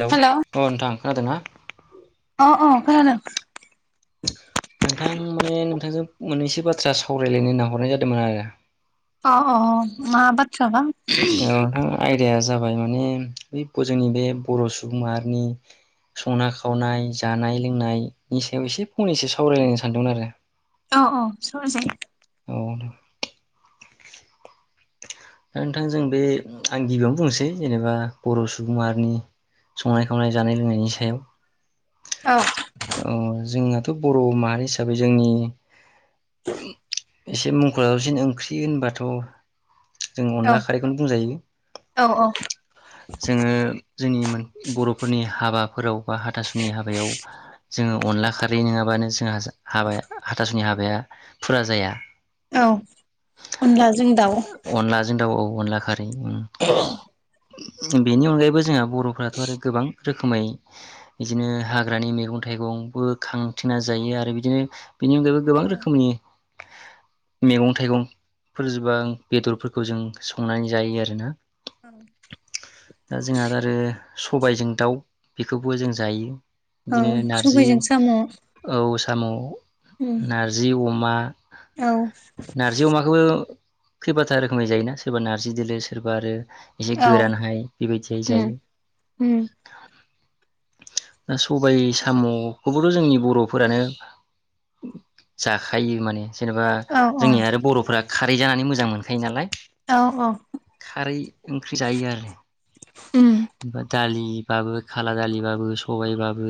हेल' hello अ नोंथां खोनादों ना अ अ खानादों नोंथां माने नोंथांजों मोननैसो बाथ्रा सावरायलायनो होनना हरनाय जादोंमोन आरो अ अ मा बाथ्राबा औ नोंथां आयदिया जाबाय जाबाय माने ब जोंनि बे बर' सुबुंमाहारिनि संनाय खावनाय जानाय लोंनायनि सायाव एसे फंनैसो सावरायलायनो सानदोंमोन आरो औ औ स जायो बुंनो दा नोंथां जों बे आं गिबियावनो बुंनोसै जेनेबा बर' सुबुंमाहारिनि संनाय खावनाय जानाय लोंनायनि सायाव औ औ जोंना थ' बर' माहारि हिसाबै जोंनि एसे मुंखसिन ओंख्रि होनबाथ' जों औ अनला खारैखौनो बुंजायो औ जोङो जोंनि मोन बर'फोरनि हाबाफोराव बा हाथासुनि हाबायाव जोङो अनला खारै नङाबानो जोंहा हाबाया हाथासुनि हाबाया फुरा जाया औ अनला जों जों दाउ अनलाजों दाउ औ अनला खारै ओम बेनि अनगायैबो जोंहा बर'फ्राथ' आरो गोबां रोखोमै बिदिनो हाग्रानि मैगं थाइगंबो खांथेना जायो आरो बिदिनो बेनि अनगायैबो गोबां रोखोमनि मैगं थाइगंफोर जोबा बेदरफोरखौ जों संनानै जायो आरो ना दा जोंहा [unintelligible] आरो सबायजों दाउ बेखौबो जों जायो औ बिदिनो नारजि सबायजों साम' औ साम' उम नारजि अम अमा औ नारजि अमाखौबो खैबाथा रोखोमै जायोना सोरबा नारजि दोलो सोरबा आरो एसे औ गोरानहाय बेबायदियै उम जायो उम दा सबाय साम'खौबोथ' जोंनि बर'फोरानो जाखायो माने जेनेबा औ औ जोंनि आरो बर'फोरा खा दै जानानै मोजां मोनो मोनखायो नालाय औ औ खारै ओंख्रि जायो आरो उम दालि बाबो खाला दालिबाबो सबायबाबो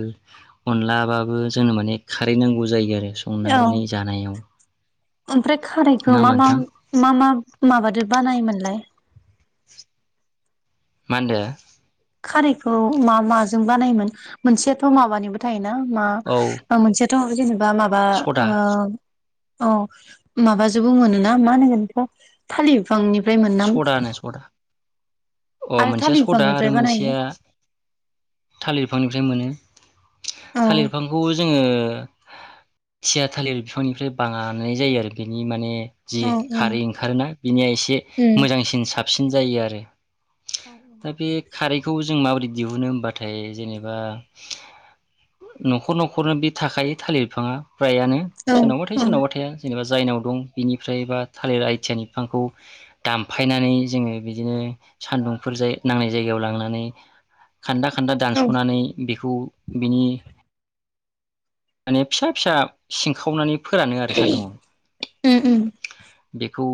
अनलाबाबो जोंनो माने खारै नांगौ जायो आरो औ संनानै जानायाव ओमफ्राय खारैखौ नङा मा होमबा मा नोंथां मा मा माबादि बानायोमोनलाय मा ओनदो खारैखौ मा माजों बानायोमोन मोनसेयाथ' माबानिबो थायो ना मा औ ओ मोनसे थ' जेनेबा बा माबा सदा ओ अ माबाजोंबो मोनोना मा होनो बेखौ थालि बिफांनिफ्राय मोनना सदा होनो सदा अ आरो मोनसेया थालिर सदा बिफांनिफ्राय आरो मोनसेया बानायो थालिर बिफां ओमफ्राय मोनो औ थालिर बिफांखौबो जोङो थिया थालिर बिफांनिफ्राय बानाय जायो आरो इ माने जि औ औ खारै ओंखारोना बिनिया एसे उम मोजांसिन साब साबसिन जायो आरो दा औ बे खारैखौ जों माबोरै दिहुनो होमबाथाय जेनेबा न'खर न'खरनो बे थाखायो थालिर बिफाङा फ्रायानो सोरनावबा थायो औ सोरनावबा थाया जेनेबा जायनाव दं बिनिफ्राय बा थालिर आइथिया बिफांखौ दामफायनानै जोङो बिदिनो सानदुंफोर नांनाय जायगायाव लांनानै खान्दा खान्दा औ दानस'नानै बेखौ बिनि माने फिसा फिसा सिंखावनानै फोरानो आरो उम उम सान्दुंङाव बेखौ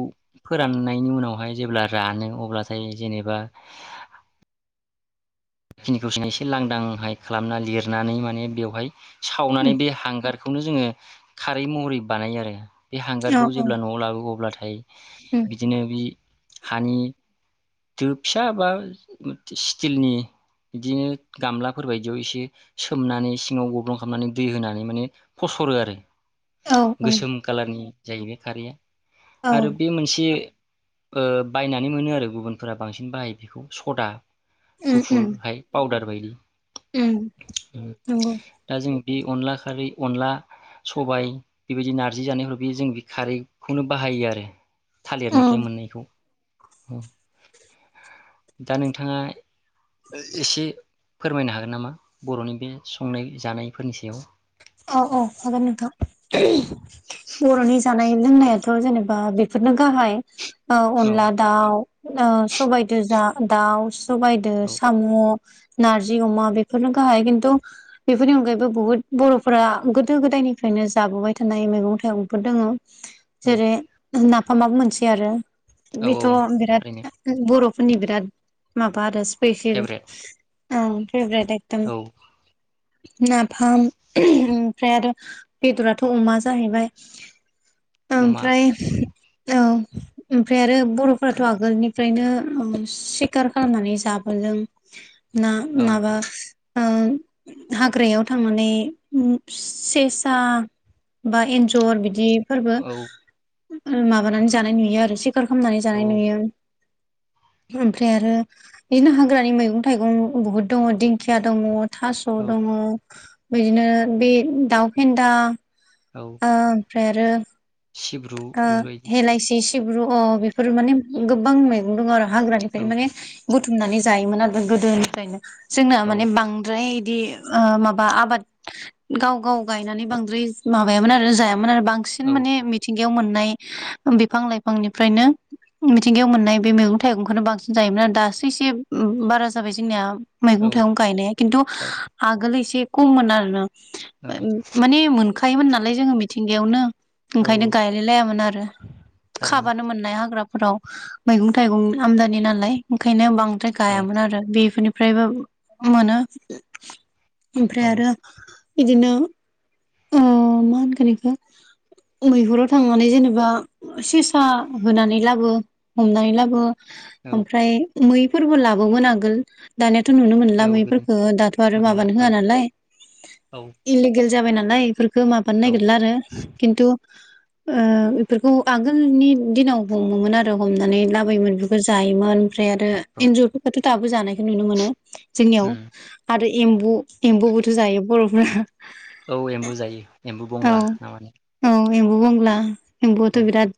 फोराननायनि उनावहाय जेब्ला रानो अब्लाथाय जेनेबा बेखिनिखौ एसे लांदांहाय खालामना लिरनानै माने बेवहाय सावनानै उम बे हांगार बेखौनो जोङो खारै महरै बानायो आरो। बे औ हांगारखौ औ जेब्ला न'आव लाबोयो अब्लाथाय उम [unintelligible] बिदिनो बि हानि दो फिसा बा स्टिलनि बिदिनो गामलाफोर बायदियाव एसे सोमनानै सिङाव गब्लं खालामनानै दै होनानै मानिफसरो आरो औ गोसोम कालारनि जाहैबाय खारैया औ आरो बे मोनसे ओ बायनानै मोनो आरो गुबुन फोरा बांसिन बाहायो बेखौ सदा उम गुफुर उम हाय पाउदार बायो उम उम नंगौ दा जों बे अनला खारै अनला सबाय बेबायदि नारजि जानायफोराव बे जों बे खारैखौनो बाहायो आरो। थालिरनिफ्राय उम मोननायखौ औ। दा नोंथाङा एसे फोरमायनो हागोन नामा बर'नि बे संनाय जानायफोरनि सायाव औ औ हागोन नोंथा बर'नि जानाय लोंनायाथ' जेनेबा बेफोरनो गाहाय औ अनला दाउ सबाइदोजा दाउ सबायजों औ साम' नारजि अमा बेफोरनो गाहाय खिन्थु बेफोरनि अनगायैबो बुहुत बर' फोरा गोदो गोदायनिफ्रायनो जाबोबाय थानाय मैगं थाइगंफोर दङो। औ जेरै नाफ फाम माबो मोनसे आरो औ बेथ' औ बिराद थारैनो बर' नि बिराद माबा आरो स्पेसिल फेभरेट औ भेबरेट एकदम औ नाफाम ओमफ्राय आरो बेदराथ' अमा जाहैबाय अमा ओमफ्राय औ ओमफ्राय आरो बर'फ्राथ' आगोलनिफ्रायनो सिखार खालामनानै जाबोदों ना औ माबा ओ हाग्रायाव थांनानै ओ सेसा बा एन्जर बिदि फोरबो औ ओ माबानानै जानाय नुयो आरो सि खार खालामनानै जानाय औ नुयो ओमफ्राय आरो बिदिनो हाग्रानि मैगं थाइगं बुहुद दङ दिंखिया दङ थास' औ दङ बिदिनो बे दाउ फेन्दा औ ओमफ्राय आरो सिब्रु आओ बेफोरबायदि हेलाायसिस [unintelligible] ब्रु अ बेफोरो माने गोबां मैगं दं आरो हाग्रानिफ्राय औ माने बुथुमनानै जायोमोन आरो गोदोनिफ्रायनो जोंना औ माने बांद्राय बिदि ओ माबा आबाद गाव गाव गायनानै बांद्राय माबायामोन आरो जायामोन मोन आरो बांसिन माने मिथिंगायाव मोननाय बिफां लाइफांनिफ्रायनो मिथिंगायाव मोननाय बे मैगं थाइगंखौनो बांसिन जायोमोन दासो एसे बारा जाबाय जोंनिया मैगं औ थाइगं गायनाया खिन्थु औ आगोल एसे खुम मोन आरो ना औ माने मोनखो थाखायोमोन नालाय जोङो मिथिंगायावनो औ खायनो औ गाइलाय लायामोन आरो ओ थारैनो खाबानो मोननाय हाग्रा फोराव मैगं थाइगं आमदानि नालाय ओंखायनो बां द्राय औ गायामोन आरो बेफोरनि फ्रायबो मोनो ओमफ्राय औ आरो बिदिनो ओ मा होनगोन इखौ मैहुराव थांनानै जेनेबा सेसा होनानै लाबो हमनानै लाबो औ ओमफ्राय मैफोरबो लाबोगोन आगोल दानिया थ' नुनो औ मोनला गोजोन मैफोरफोरखौ दाथ' आरो मोनला माबानो औ होआ नालाय औ इलिगेल जाबाय नालाय बेफोरखौ माबानो औ नागिरला आरो खिन्थु ओ बेफोरखौ आगोलनि दिनाव हमोमोन आरो हमनानै लाबोयोमोन बेफोरखौ जायोमोन। ओमफ्राय आरो औ एन्जरफोर फाथो दाबो जानायखौ नुनो मोनो। जोंनियाव उम आरो एम्बु एम्बुबोथ' जायो बर'फ्रा औ एम्बु जायो एमबु बुंला ना मा होनो एमबु बंग्ला एमबुआथ' बिराद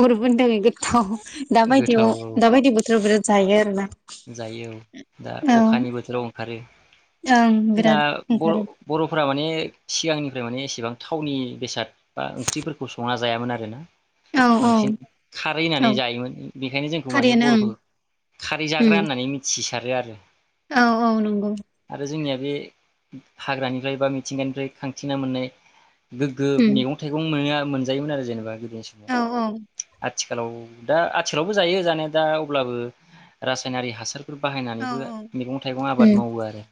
बर'फोरनि थाखाय गोथाव गोथाव दाबायदियाव दाबायदि बोथोराव बिराद जायो आरोना जायो औ दा औ अखानि बोथोराव ओंखारो ओं जोंना बिराद बर' ओंखारो बर'फोरा माने सिगांनिफ्राय माने एसेबां थावनि बेसाद बा ओंख्रिफोरखौ संना जायामोन आरोना औ औ बांसिन खारै होनानै औ जायोमोन बेखायनो जोंखौ माने खारैयानो ओं बर'फोरखौ खार जाग्रा उम होननानै मिथि थिसारो आरो औ औ नंगौ आरो जोंनिया बे हाग्रानिफ्राय बा मिथिंगानिफ्राय खांथिना मोननाय गोगो उम मेगं थाइगं मोनो मोनजायो मोन आरो जेनोबा [unintelligible] औ औ आद आथिखालाव दा आथिखालावबो जायो जानाया दा अब्लाबो रासायनारि हासार औ बाहायनानैबो मेगं-थाइगं आबाद उम मावो आरो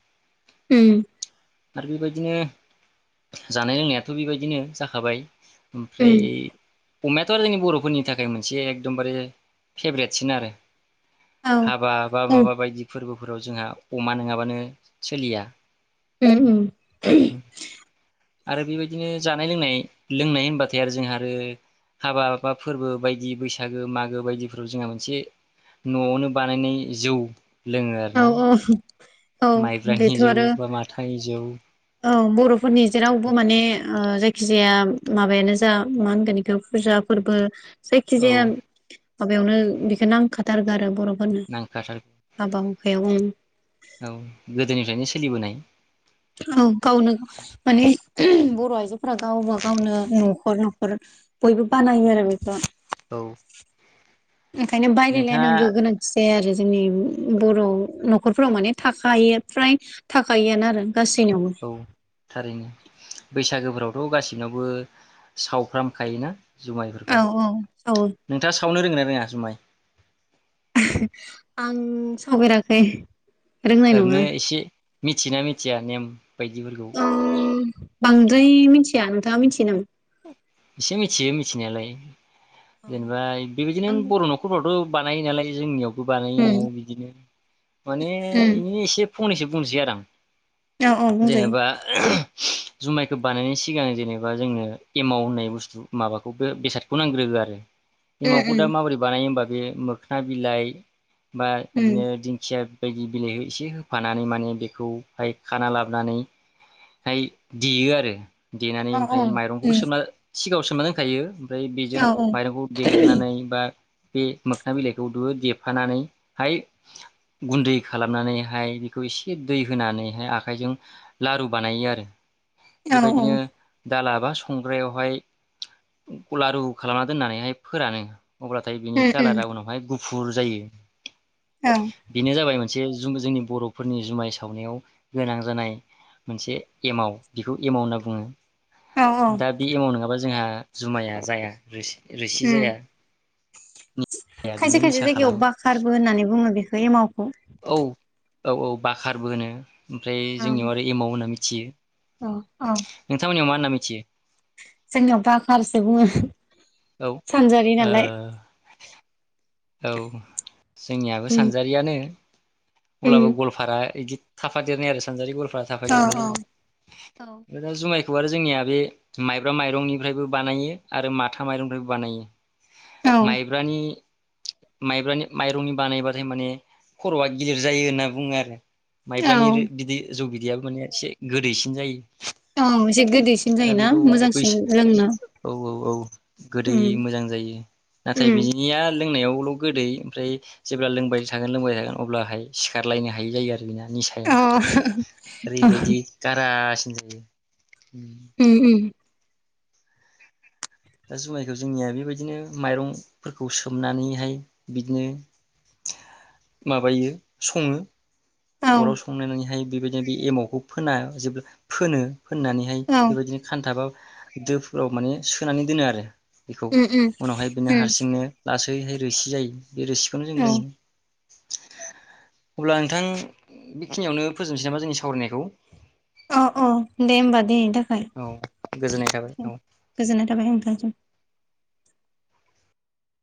उम आरो बिबायदिनो जानाय लोंनायाथ' बिबायदिनो जाखाबाय । ओमफ्राय उम अमायाथ' आरो जोंनि बर'फोरनि थाखाय मोनसे एकदमबारे फेब्रेटसिन आरो । औ हाबा बा औ माबा बायदि फोरबो फोराव जोंहा अमा नोंङाबानो सोलिया । उम-उम [unintelligible] आरो बिबायदिनो जानाय-लोंनाय, लोंनाय होनबाथाय आरो जोंहा आरो हाबा बा फोरबो बायदि बैसागो मागो बायदि फोरबो जोंहा मोनसे न'आवनो बानायनाय जौ लोंङो आरो औ ना औ । औ बेथ' आरो जौ औ बर'फोरनि जेरावबो माने ओ जायखि जाया माबायानो जा मा होनगोन इखौ फुजा फोरबो औ जायखिजाया माबायावनो बिखो नांखा दारगार बरफ ओनो नांखाथारगौ आबाव औ गोदोनिफ्रायनो सो सोलिबोनाय औ गावनो माने ओहोम बर' आइजोफ्रा गावबा- गावनो न'खर न'खर बयबो बानायो आरो बेखौ । औ ओंखायनो नोंथाङा बायलायलायनांगो गोनांथि जाया आरो जोंनि बर' न'खरफोराव माने थाखायो फ्राय थाखायोआनो आरो गासैनावबो औ थारैनो, बैसागोफोरावथ' गाैनावबो सावफ्रामखायोना । जुमायफोरखौ औ औ औ नोंथाङा सावनो रोंङो ना? रोङा जुमाइ? [unintelligible] आं सावफेराखै । ओरैनो एसे मिथियो ना मिथिया नेम बायदिफोरखौ? आं बांद्राय मिथिया नोंथाङा मिथियो नामा? एसे मिथियो मिथिनायालाय। आं जेनेबा बेबायदिनो उम बर' न'खरफ्रावथ' बानायो नालाय जोंनियाव। बानायो न'आव बिदिनो माने उम इनो एसे फंनैसो बुंनोसै आरो आं औ औ बुंजायो जेनेबा जुमायखौ बानायनायनि सिगां जेनेबा जोंनो एमाव होननाय बुस्थु माबाखौ बे बेसादखौ नांग्रोगौ आरो। एमावखौ दा उम माबोरै बानायो होमबा बे मोख्ना बिलाइ बा उम इदिनो दिंखिया। बायदि बिलाइ एसे होफानानै माने बेखौहाय खाना लाबोनानैहाय देयो आरो। देनानै औ औ ओमफ्राय माइरं उम गसोमा सिगाङाव सोमना दोनखायो। ओमफ्राय बेजों औ माइरंखौ देग्रोनानै बा बे मोखोना बिलाइखौ दो देफानानैहाय गुन्दै खालामनानैहाय बेखौ एसे दै होनानैहाय आखाइजों लारु बानायो आरो। औ बेबायदिनो उम दा लाबा संग्रायावहाय गलारु खालामना दोननानैहाय फोरानो। अब्लाथाय बिनि उम कालारा उनावहाय गु फुर जायो। औ बेनो जाबाय मो से जुं जोंनि बर'फोरनि जुमाय सावनायाव गोनां जानाय मोनसे एमाव बेखौ एमाव होनना बुङो। औ औ दा बे एमाव नङाबा जोंहा जुमाया जाया [unintelligible] रोसि उम जाया। खायसे बिनो खायसे निसा जायगायाव खालामो बाखारबो होननानै बुङो बेखौ एमावखौ। औ औ औ बाखारबो होनो। ओमफ्राय जोंनियाव आरो एमाव होनना मि थियो। अ औ। ना मिथियो जोंनियाव बाखारसो बुङो। औ ओ। सानजारि नालाय औ जोंनियाबो उम सानजारियानो अब्लाबो उम गलफारा इदि थाफा देरनाय आरो सानजारि गलफा औ थाफैदेरनाय औ जायो औ आमफाय दा जुमाय खौ आरो जोंनिया बे माइब्रा माइरंनिफ्रायबो बानायो आरो माथा माइरंनिफ्रायबो बानायो औ माइब्रानि माइब्रानि माइरंनि बानायबाथाय माने खर'आ गिदिर जायो होनना बुङो आरो औ माइब्रानि बिदि जौ बिद बियाबो माने एसे गोदैसिन जायो। औ एसे गोदैसिन दा जायोना बेखौ बैस मोजांसिन लोंनो औ औ औ गोदै उम मोजां जायो नाथाय उम बिनिया लोंनायावल' गोदै ओमफ्राय जेब्ला लोंबाय थागोन लोंबाय थागोन अब्लाहाय सिखारलायनो हायि जायो आरो बिना नि साया अ ओरैबायदि गारास जायो। दा उम उम दा जुमायखौ जोंनिया बेबायदिनो माइरंफोरखौ सोमनानैहाय बिदिनो माबायो सङो औ अराव संनो नोंहाय बेबायदिनो बे एमावखौ फोना जेब्ला फोनो फोननानैहाय औ बेबायदिनो खानथाबा दोफोराव माने सोनानै दोनो आरो बेखौ उम उम उनावहाय बेनो उम हारसिंनो लासै यैहाय रोसि जायो बे रोसिखौनो जों औ लोङो। अब्ला नोंथां बेखिनियावनो फोजोबनोसै नामा जोंनि सावरायनायखौ अ अ दे होमबा दे थाखाय औ गोजोननाय थाबाय औ गोजोननाय थाबाय नोंथांजों